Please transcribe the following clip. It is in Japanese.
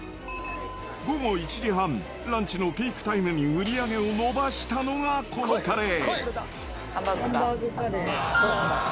午後１時半、ランチのピークタイムに売り上げを伸ばしたのがこのカレー。